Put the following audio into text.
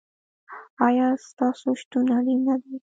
ایا ستاسو شتون اړین نه دی؟